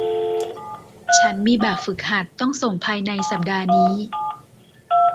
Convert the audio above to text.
ฉันมีแบบฝึกหัดต้องส่งภายในสัปดาห์นี้